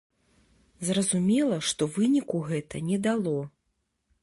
Зразумела, што выніку гэта не дало.